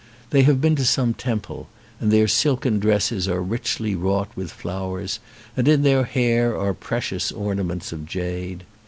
They have been to some temple, and their silken dresses are richly wrought with flowers and in their hair are precious ornaments of jade.